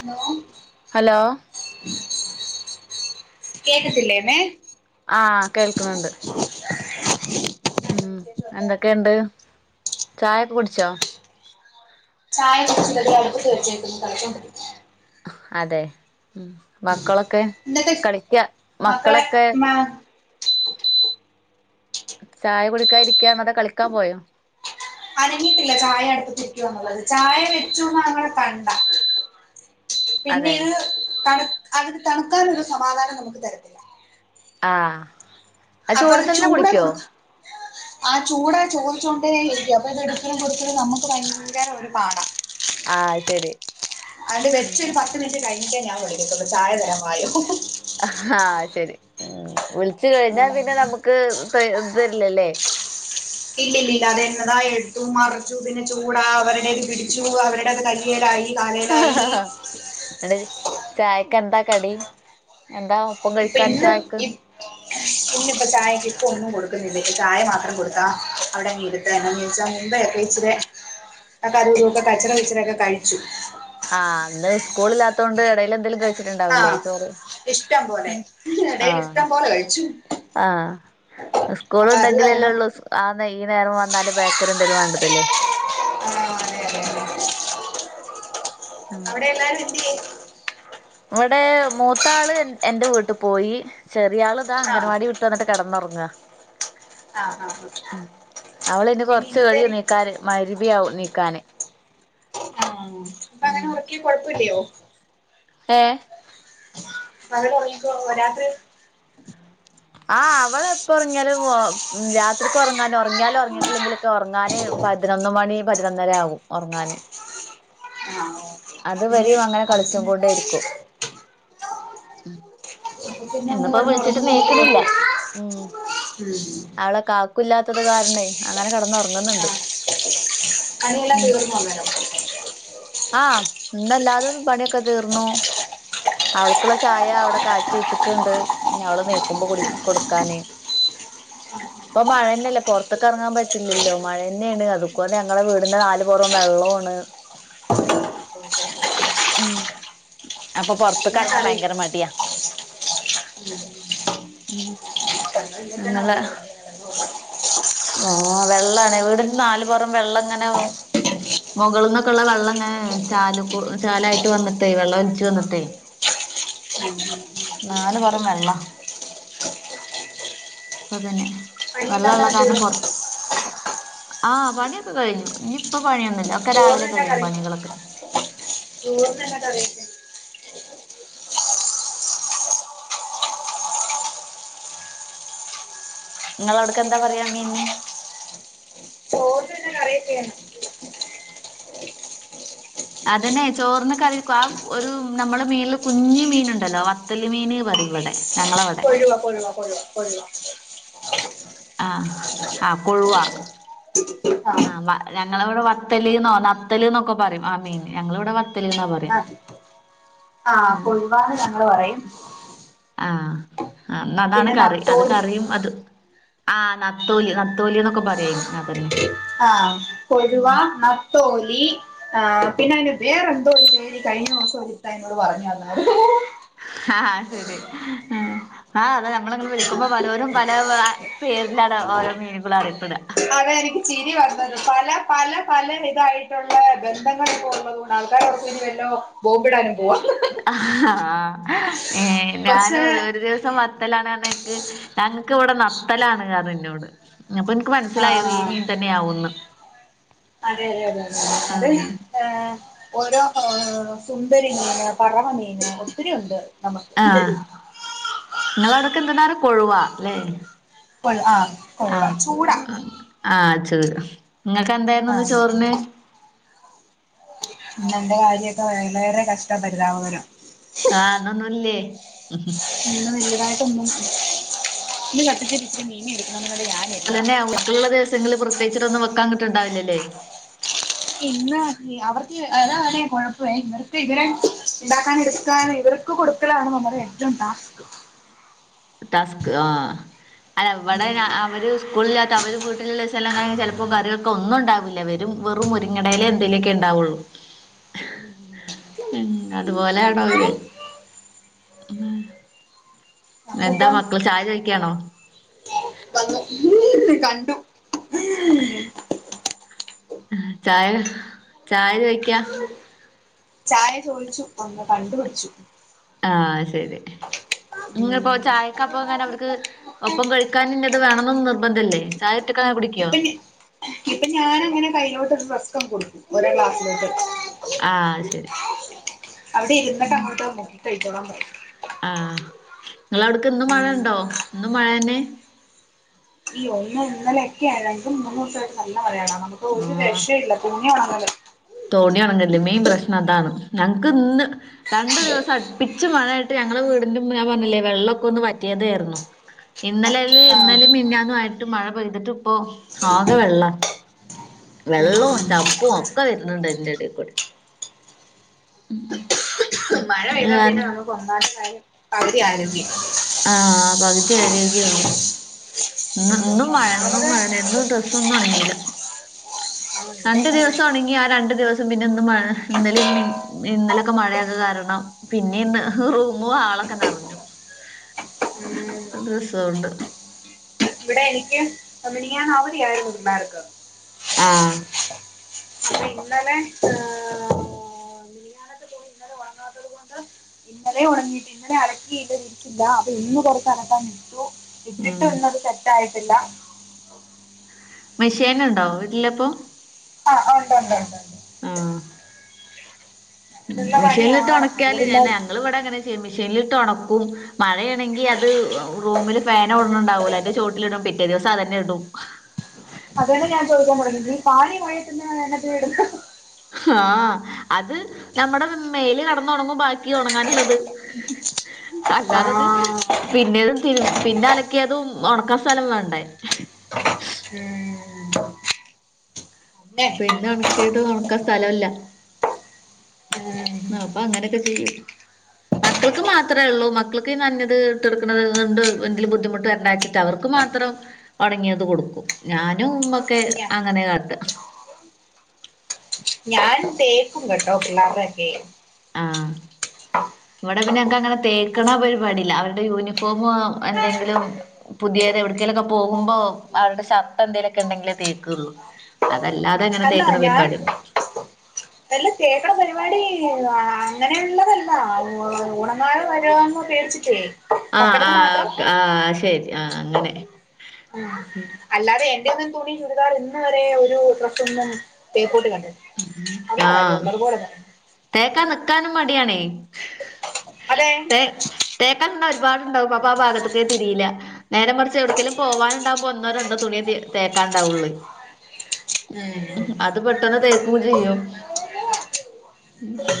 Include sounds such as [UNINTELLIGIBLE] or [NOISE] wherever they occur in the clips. Hello hello കേക്കത്തില്ലേന്നേ ആഹ് കേൾക്ക്ന്ന്ണ്ട് ഉം എന്തൊക്കെയിണ്ട് ചായൊക്കെ കുടിച്ചോ ചായ കുടിച്ചില്ലടീ അടുപ്പത്ത് വെച്ചേക്ക്ന്ന് തളച്ചോണ്ട് അതെ ഉം മക്കളൊക്കെ എന്നിട്ട് കളിക്കാ മക്കളെ മക്കളൊക്കെ മ ചായ കുടിക്കാതിരിക്കാ ന്നതെ കളിക്കാൻ പോയോ അനങ്ങീട്ടില്ല ചായ അടുപ്പത്തിരിക്കുവാന്നൊള്ളത് ചായ വെച്ചൂന്ന് [UNINTELLIGIBLE] കണ്ട പിന്നെ അതെ ഇത് തണ് അത് തണുക്കാനൊരു സമാധാനം നമുക്ക് തരത്തില്ല ആഹ് ആ ചൂട് തന്നെ കുടിക്കോ ആഹ് ചൂടെ ചോദിച്ചോണ്ടേരിക്കും അപ്പൊ ഇത് ഇട്ക്കലും പിടിക്കലും നമുക്ക് ഭയങ്കര ഒരു പാടാ ആഹ് അത് ശരി അതൊണ്ട് വെച്ചൊര് പത്ത് മിനിറ്റ് കഴിഞ്ഞിട്ടേ ഞാൻ വിളിക്കത്തോളു ചായ തരാം വായോ ഹ്ഹ് ആഹ് ശെരി മ്മ് വിളിച്ച് കഴിഞ്ഞാ ഉം പിന്നെ നമുക്ക് ത ഇതരില്ലല്ലേ ഇല്ലല്ല ഇല്ലാ അത് എന്നതാ എട്ത്തു മറ്ച്ചു പിന്നെ ചൂടാ അവര്ടേത് പിടിച്ചു അവര്ടേത് ക കൈയ്യേലായി കാലേലായീ ചായക്കെന്താ കടി എന്താ ഒപ്പം ഇപ്പൊ കഴിക്കാൻ ചായക്ക് ഇന്ന് ഇപ്പൊ ചായക്ക് ഇപ്പൊന്നും കൊട്ക്കുന്നില്ല ഇപ്പ ചായ മാത്രം കൊട്ത്താ അവിടെങ്ങ് ഇര്ത്താ എന്തന്ന് വെച്ചാ മുമ്പേ [UNINTELLIGIBLE] ഒക്ക അതുതൊക്കെ കച്ചറവിച്ചറോക്കെ കഴിച്ചു ആഹ് ഇന്ന് സ്കൂള് ഇല്ലാത്തൊണ്ട് എടേലേന്തെലും കഴി ആഹ് ഇഷ്ട്ടം പോലെ എടേല് ആഹ് ഇഷ്ട്ടം പോലെ കഴിച്ചു ആഹ് സ്കൂള് അപ്പൊ അത് ഉണ്ടെങ്കിലല്ലേ കാരണം ഉള്ളൂ സ് ആന്നെ ഈ നേരം വന്നാല് ബേക്കറിന്തേലും വാണ്ടതുള്ളു ആഹ് [UNINTELLIGIBLE] വ്ടെ ഇവടെ മൂത്താള് എ എന്റെ വീട്ട് പോയി ചെറിയാള് ഇതാ ആ അംഗൻവാടി വി ട്ട് വന്ന്ട്ട് കെടന്നൊറങ്ങുവ ആ ആ ആ. അവള്നി പിന്നെ കൊറച്ച് ഇന്നത്തെ കഴിയും നീക്കാന് [UNINTELLIGIBLE] നീക്കാന് ആഹ് കൊഴപ്പല്ല്യോ ഏഹ് കെടന്നൊറങ്ങിക്കോളുവൊ രാത്രി ആഹ് അവള് എപ്പോ ഒറങ്ങിയാലും വോ രാ എത്രയ്ക്ക് ഒറങ്ങാനും ഒറങ്ങിയാലും ഉറങ്ങീട്ടില്ലേങ്കിലൊക്കെ ഒറങ്ങാന് പതിനൊന്ന് മണി പതിനൊന്നരാകും ഒറങ്ങാന് ആഹ് അത് ഓക്കെ എന്നാ പിന്നെ വരെയും അങ്ങനെ അതേ കളിച്ചു സമയം കൊണ്ടേയിരിക്കും അപ്പൊ പിന്നെ ഒന്ന് കിടന്ന് ഇന്നിപ്പോ വിളിച്ചിട്ട് ഉറങ്ങുന്നോർത്ത് കുഴപ്പമില്ല നീക്കണില്ല ഉ ഉം അവളെ കാ കൂളില്ലാത്തതു കാരണേ അങ്ങനെ കെടന്നൊർ പൊങ്ങ്ന്ന്ണ്ട് ആഹ് പണിയെല്ലാം ഉം തീർന്നോ അന്നേരം ആ ഇന്നല്ലാതെതും പണിയൊക്കെ തീർന്നു അവൾക്ക്ള്ള ചായ അവ്ടെ കാച്ചി വെച്ചി ണ്ട് അവള് നീക്കുമ്പോ കൊടുക്കാൻ [UNINTELLIGIBLE] ഇപ്പൊ മഴെന്നെയല്ലേ പുറത്ത്ക്ക് എർങ്ങാൻ പറ്റില്ലല്ലോ മഴെന്നേണ് അതുപോലെ ഞങ്ങളെ വീടിന്റെ നാല് പ്പുറം വെള്ളോണ് ഉം അപ്പൊ പൊർ എന്നാ പ്പംകറാങ്ങാ ഭയങ്കര കറിയൊക്കെ മടിയാ മ് ഞങ്ങൾ ഇന്നലെ തന്നെ ഞങ്ങളെ വന്നതാ ഓ വെള്ളാണ് വീട്ന്റെനാലു പൊറം വെള്ളം ഇങ്ങനെ മൊകൾന്നൊെക്കെ ഉള്ള വെള്ളങ്ങനെ ചാല്കൂ ചാലായിട്ട് വന്നിട്ടേ വെള്ളം ഒല്ച്ച് വന്നിട്ടേ [UNINTELLIGIBLE] നാല് പൊറം വെള്ള അപ്പൊതന്നെ പണിയെല്ലാം വെള്ളള്ള അന്നേരം കാലം തീർന്നോ പൊർ ആഹ പണിയൊക്കെ കഴിഞ്ഞു ഇന്നിപ്പോ പണിയൊന്നുല്ല ഒക്കെ രാവിലെ കഴിയും പണികളൊക്കെ ചോറ്നന്താ കറി നിങ്ങളവിടക്കെന്താ പറയാ മീന് ചോറിന് പിന്നെ അറിയൊക്കെയാണ് അതന്നെ ചോറിന് കറിവെക്കും, ആ ഒരു നമ്മൾ മീനില് കുഞ്ഞ്മീൻ ഇണ്ടല്ലോ വത്തല്മീന് പറയും ഇവടെ ഞങ്ങളാവ്ടെ കൊഴുവാ കൊഴുവ കൊഴുവ കൊഴുവ ആ ഹ് ആഹ് കൊഴുവാ ആഹ് ആ ഞങ്ങളവ്ടെ വത്തല്ന്നോ നത്തലിന്നൊക്കെ പറയും ആ മീൻ ഞങ്ങളിവിടെ വത്തല്ന്നാ പറയാ [INAUDIBLE] ആഹ് ആഹ് കൊഴുവാന്ന് ഞങ്ങള് പറയും ആ ഇന്നതാണ് പിന്നെ കറി, അത് നത്തോലി കറിയും അത് ആഹ് നത്തോലി നത്തോലിന്നൊക്കെ പറയു അയ്ന് ആ കൊഴുവ, നത്തോലി ആഹ് പിന്നെ അതിന് വേറെന്തോ ഒരു പേര് കഴിഞ്ഞ ദിവസം ഒര് ഇത്ത അതിനോട് പറഞ്ഞു തന്നാത് ആഹ് ശെരി ആ ആഹ അതെ നമ്മളഞമ്മള് ഇങ്ങനെ വിളിക്കുമ്പോ പലരും പല പേരിലാണ് ഓരോ മീനുകളും അറിയിപ്പടുക അതെ എനിക്ക് ചിരി വന്നത് പല പല പല ഇതായിട്ടുള്ള ബന്ധങ്ങൾ ഇപ്പോ ഉള്ളത കൊൺ ആൾക്കാരോർക്കും വല്ലോ ബോംബിടാനും പോവാന്ന് അഹ്ആ പക്ഷേ ഞാനും ഒരു ദിവസം വ വത്തെലാണ് [UNINTELLIGIBLE] ഞങ്ങൾക്ക് ഇവിടെ നത്തലാണ് പർഞ്ഞിന്നോട് അപ്പൊ ഇൻക്ക് മനസ്സിലായത് ഈ ആഹ് മീൻ തന്നെയ്‌ ആവൂന്ന് അതെതെ അതെ അതെ ആഹ് ഏ ഓരോ സുന്ദരിമീന്, പറവമീൻ ഒത്തിരി ഉണ്ട് ആ നമുക്ക് നിങ്ങളവിടക്ക എന്താണ് കൊഴവാ ലേ? കൊഴു ആ ആ [UNINTELLIGIBLE] ആ നിങ്ങക്ക് എന്തായിരുന്നുന്ന് ആഹ് ചോറിന് ഇന്നെന്റെ കാര്യഒക്കെ വളരെ കഷ്ട പരിതാപകരം ആ ഇന്നൊന്നുല്ല്യേ ഇന്ന് വല്ല്യതായിട്ടൊന്നും [UNINTELLIGIBLE] അലെന്നെ മക്കൾള്ള ദിവസങ്ങളിൽ പ്രത്യേകിട്ടൊന്നും വെക്കാ കിട്ടണ്ടാവില്ലല്ലേ ഇന്ന് അവർക്ക് അതാണേ കൊഴപേ ഇവർക്ക് ഇവരെ ഇണ്ടാക്കാൻ എടുക്കൻ ഇവർ ക്ക് കൊടുക്കലാണ് നമ്മുടെ ഏറ്റവും ടാസ്ക് ടസ്ക് ആ അല്ലവിടെ അവര് സ്കൂളില്ലാത്ത അവർ വീട്ടിലുള്ളസങ്ങളിൽ ചെലപ്പോൾ കറികൾക്കെ ഒന്നും ഉണ്ടാവില്ല വെറും മുരിങ്ങടയില തിലക്കെണ്ടാവൊള്ളൂ. [INAUDIBLE] ആ അതുപോലൊന്ന് വിചാരിച്ചു എന്താ നമ്മളിപ്പം മക്കള് ചായ ചോയ്ക്കാണോ? വന്ന് കണ്ടു ഹ് ചായ, ഹ് ചായ ചോയിക്കാ. ചായ ചോയിച്ചു ഒന്ന് കണ്ടുപച്ചു. ആ ശരി ങ്ങപ്പോ ചായക്ക പോകാനവർക്ക് ഉം ഒപ്പം കഴിക്കാനിന്നത് വേണനൊന്നും നിർബന്ധല്ലേ. [UNINTELLIGIBLE] ഇപ്പഞ ഇപ്പൊ ഞാനങ്ങനെ കയ്യിലോട്ട് റസ്ക്കങ്ങ് കൊടുത്തു ഒരോ ഗ്ലാസ്സിലോട്ട്. ആ ശരി. അവിടെ ഇരിന്നിട്ട് അങ്ങോട്ടോ മുക്കി കഴിച്ചോളാപറയും. ആ ങ്ങളെ അവ്ട്ക്ക് ഇന്നും ഉം മഴണ്ടോ ഇന്നും മഴന്നെ. യ്യോ ഇന്ന് ഇന്നലെ ഒക്കെയായി മൂന്നൂസായിട്ട് നല്ല മഴയാടാ നമുക്ക് ഒരു ആഹ് രഷയില്ല തുണി ഓണങ്ങൂല്ലാ. തോണി ഒണങ്ങ്ണില്ല മെയിൻ പ്രശ്നം അതാണ് ഞങ്ങക്ക് ന്ന്. രണ്ടു ദിവസം അടുപ്പിച്ച് മഴയായിട്ട് ഞങ്ങള വീടിന്റെ മ്പില് ഞാൻ പറഞ്ഞില്ലേ വെള്ളൊക്കെ ഒന്ന് വറ്റിയദേർന്നു. ഇന്നലെല് ആഹ് ഇന്നലിം മിഞ്ഞാന്നും ആയിട്ട് മഴ പെയ്തിട്ട് പ്പൊ ആകെ വെള്ളാ. വെള്ളോം ഉം ചപ്പും ഒക്കെ വരുന്നുണ്ട് തിന്റെടെ കൂടെ. മഴ അത് പെയ്താ പിന്നെ കാരണം നമുക്ക് ഒമ്പാമത്തെ കാര്യം പകുതി ആരോഗ്യം. ആ പകുതി ആരോഗ്യെള്ളു. ഇന്നും ഉം ഇന്നും മഴ ഒന്നാമത് മഴന്നും ഡ്രെസ്സൊന്നും ഒണങ്ങീലാ. ആഹ് രണ്ട് ഇവിടെയും അതെ ദിവസം ഓണങ്ങി ആ രണ്ടു ദിവസം പിന്നെ ഇന്ന് മഴ ഹ് ഇന്നലിം ഇന്നലെക്കെ മഴയായത് കാരണം. പിന്നെന്ന് ഹ് ഉം റൂമും ഹാളൊക്കെ നെറഞ്ഞു ഡ്രെസ്സൊണ്ട്. ഇവിടെ എനിക്ക് മിനിയാന്ന് അവധിയായിരുന്നു പിള്ളാർക്ക്. ആ. ഇന്നലെ ണ്ട് ഇന്നലേം ഒണങ്ങീട്ട് ഇന്നലെ അലക്കി വിരിച്ചില്ല അപ്പൊ ഇന്ന് കൊറച്ച് അലക്കാനിട്ടു. ഉം ഇട്ടിട്ടന്നത് സെറ്റായിട്ടില്ലാ. മെഷേന്ണ്ടോ വീട്ടിലപ്പോ. ആ ആ ഉണ്ടുണ്ട്ണ്ടുണ്ട്. ആ മ് അതിലുള്ള മിഷേനിലിട്ട് പണിയാണ് ഉണക്കിയാല് ഞന് അതോടില്ലായിരുന്നു ഞങ്ങള് വിടെ അങ്ങനെ ചെയ്യാ മിഷേനിലിട്ട് ഒണക്കും മഴെണെങ്കിഅത് റൂമില്. ഫേനോട്ണണ്ടാവോലോ അയിന്റെ ചോട്ടിലിടും പിറ്റേ ദിവസം അതെന്നെ ഇടും. അതന്നെ ഞാൻ ചോദിക്കാൻ കൊടന്നത് ഈ ഫാനി മഴയത്തിടുന്നെ. ആ അത്. നമ്മടെ മേൽ കടന്ന് ഒണങ്ങും ബാക്കി ഒണങ്ങാനുള്ളത് ഹ് ഹ്. ആ അല്ലാതെത് ഹ് പിന്നെതു തിരു പിന്നെ അലക്കിയതും ഒണക്കാ സ്ഥലം വേണ്ടേ. മ് മ് [UNINTELLIGIBLE] പിന്നെ ഒണക്കിയത് ഒണക്കാ സ്ഥലവില്ലാ. ഉം. ഹ് ആ അപ്പൊ അങ്ങനൊക്കെ ചെയ്യും. മക്കൾക്ക് മാത്രേള്ളൂ മക്കൾക്ക് ഈ നനഞ്ഞത് ഇട്ടെടുക്കുന്നതണ്ട് എന്തെലും ബുദ്ധിമുട്ട് വരണ്ടാച്ച്ട്ട്. റ്റവർക്ക് മാത്രം ഒണങ്ങിയത് കൊടുക്കും ഞാനും ഉമ്മൊക്കെ ഞാ- അങ്ങനെ കാട്ടാ. ഞാനും തേക്കും കട്ടോ പിള്ളാരതൊക്കെ. ആ ഇവിടെ പിന്നെ ഞങ്ങക്ക് അങ്ങനെ തേക്ണ പരിപാടില്ല അവരുടെ യൂണിഫോം എന്തെങ്കിലും. പുതിയത് എവിടക്കേലൊക്കെ പോകുമ്പോ അവരുടെ ശർട്ട് എന്തേലൊക്കെ ഉണ്ടെങ്കിലേ തേക്കുള്ളൂ. അതല്ലാതെ ഇങ്ങനെ അല്ല തേക്ക്ണ ഞാൻ പരിപാട്യന്നുല്ല. അല്ല തേക്ക്ണ പരിപാടി അ അങ്ങനെള്ളതല്ല ഉ ഉണങ്ങാന്ന് പീർച്ചിട്ട് ആഹ് ആ കെ ആഹ ശരി ആ അങ്ങനെ- ആഹ് അല്ലാതെ എന്റെ ഒന്നും തുണി ചുരിദാർ ഇന്ന് വരെ ഒരു ഡ്രസ്സ ഒന്നും തേപ്പോട്ടി കണ്ടില്ല. അത കാര്യം ആഹ് ഒള്ളത് പോലെന്നെ. തേക്കാൻ നിക്കാനും മടിയാണേ. അതെ തേ തേക്കൻ നിന്ന ഒരുപാടുണ്ടാവും അപ്പൊ ആ ഭാഗത്തൊക്ക തിരിയില്ല. നേരെ മറിച്ച് എവിടക്കലും പോവാനണ്ടാവുമ്പോ ഒന്നോരണ്ടോ തുണിയ തേക്കാൻണ്ടാവുള്ളു അത് ഉം പെട്ടെന്ന് തേകൊക്കെ ചെയ്യും.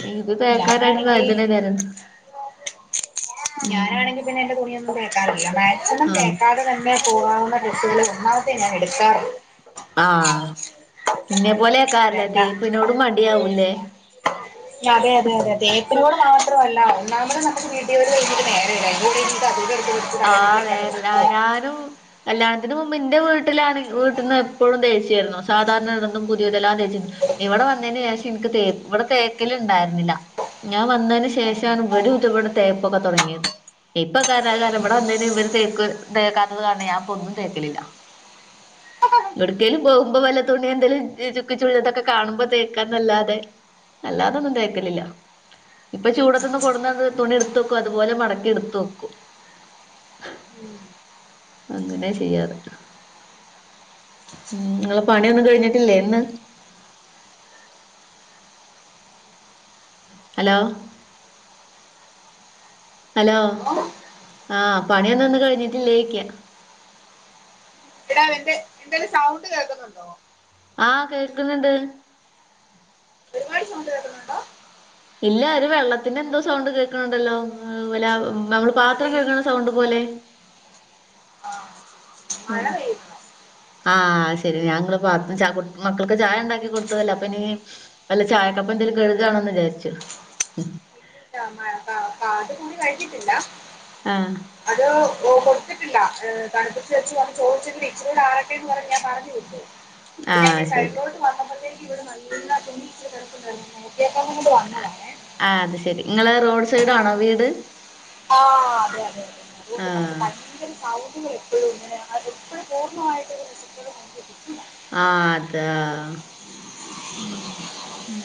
ഉ ഇത് ഞാനാണെങ്കി തേക്കാനായിട്ട്അതിന് നേരം. ഉം ഞാനാണെങ്കി പിന്നെ എന്റെ തുണിയൊന്നും തേക്കാറില്ല മാക്സിമം ആഹ് തേക്കാതെ തന്നെ ങ്ങെ പോകാവുന്ന ഡ്രസ്സുകൾ ഒന്നാമത്തെ ഞാൻ എടുക്കാറുള്ള. ആഹ് എന്നെ രണ്ടാ പോലെയക്കാല്ലത്തേപ്പന്നോട മടിയാവൂല്ലേ? അതെ അതെ അതെ തേപ്പിനോട് മാത്രമല്ല ഒന്നാമ്മത് നമക്ക് വീട്ട് ജോലി കഴിഞ്ഞിട്ട് നേരല്യ അയ്ന്റെ കൂടെ [UNINTELLIGIBLE] ആഹ് വെക്കാണ്ട് നേര് ന കുഴപ്പമില്ല ഞാനും അല്ല ഇതിന് മുബ് ഇന്റെ വീട്ട്ലാണെ വീട്ട്ന്ന് എപ്പോഴും ദേശ്യാര്ന്നു സാധാരണ ഇതൊന്നും പുതിയതല്ല എല്ലാം തേച്ച് ഇവടെ വന്നേന് ശേഷം ഇൻക്ക് തേക്ക് ഇവിടെ തേക്കല് ണ്ടായിര്ന്നില്ല. ഞാൻ വന്നതിന് ശേഷാണ് ഇവിരും ഇവിടെ തേപ്പൊക്കെ തുടങ്ങിയത് ഇപ്പൊ കരകാര ഇവിടെ വന്നേന് ഇവര് തേക്ക് തേക്കാത്തത് കാരണം ഞാനിപ്പൊന്നും തേക്കലില്ല. എടുക്കലും പോകുമ്പോ വല്ല തുണി എന്തേലും ചുക്കി ചുളിഞ്ഞതൊക്കെ കാണുമ്പോ തേക്കാന്നല്ലാതെ അല്ലാതൊന്നും തേക്കലില്ല. ഇപ്പം ചൂടത്ത്ന്ന് കൊട്ന്നന്നെ തുണി എട്ത്തെക്കും അതുപോലെ മടക്കി എട്ത്ത് വെക്കും. മ് അങ്ങനെ ചെയ്യാറ് ഉം നിങ്ങളെ പണിയൊന്നും കഴിഞ്ഞിട്ടില്ലേ ഇന്ന്? ഹലോ ഹലോ ആഹ് പണിയൊന്ന ഒന്ന് കഴിഞ്ഞിട്ടില്ലേരിക്ക ഇവിടാന്റെ എന്തായിലും സൗണ്ട് കേൾക്കുന്നുണ്ടോ? ആഹ കേക്കുന്നുണ്ട്. ഒരുപാട് സൗണ്ട് കേൾക്കുന്നുണ്ടോ? ഇല്ല ഒരു വെള്ളത്തിന്റെ എന്തോ സൗണ്ട് കേൾക്കണണ്ടല്ലോ നമ്മള് അത് പാത്രം ഈ കഴുക സൗണ്ട് പോലെ? ആ മഴ പെയ്യുന്നു. ആഹ് ശരി ഞാങ്ങള് പർഞ്ഞ് ചാ മക്കൾക്ക് ചായ ഇണ്ടാക്കി കൊടുത്തതല്ലേ അപ്പൊ ഇനീ അല്ല ചായക്കപ്പ് എന്തെങ്കിലും കഴുകയാണന്ന് വിചാരിച്ചു ഇല്ലില്ല, മഴ അത് [UNINTELLIGIBLE] കൂടി കഴിച്ചി ട്ടില്ല. ആഹ്. അത് ഒ കൊടുത്തിട്ടില്ലതണുപ്പിച്ച് വച്ചു വന്ന് ചോദിച്ചങ്കിഇച്ചരആറട്ടന്ന് പറഞ്ഞ് ഞാൻ പറഞ്ഞു. ആ പിന്നെഈ ശരി സൈഡിലോട്ട് വന്നപ്പ ത്തേന് ഇവിടെ നല്ല തുണി കെടപ്പുണ്ടായിരുന്നു കേക്കാ കൊണ്ട് വന്നതാണേ. ആഹ് അത് ശരി നിങ്ങള്റോഡ് സൈഡ് ആണോ വീട്? ആഹ അതെ അതെതെ ആ അതുകൊണ്ട് നമുക്ക് ഭയങ്കര സൗണ്ട് കേക്കും. [UNINTELLIGIBLE] എപ്പോഴും പൂർണ്ണമായിട്ട ഒരു റെസിപ്പികൾ കിട്ടുല. ആഹ് അതാ ഉം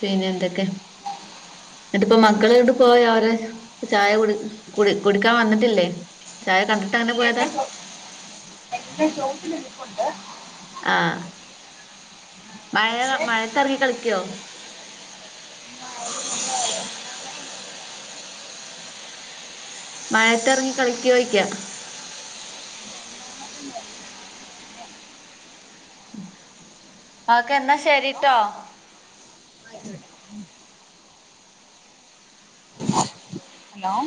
പിന്നെന്തൊക്കെ? എന്നിട്ടിപ്പ മക്കളെ ണ്ട് പോയി അവരെ ചായ കു കുടിക്കാൻ വന്നിട്ടില്ലേ? ചായ കണ്ട് എന്നിട്ട് എന്റെ ഷോപ്പിലിരിപ്പുപ്പുണ്ട്. ആ മഴ പക്ഷേ മഴേതെറങ്ങി കളിക്കോ മഴേത്തറങ്ങി കളിക്കോയ്ക്ക ഓക്കെ ന്നാ ശരിട്ടോ ഹലോ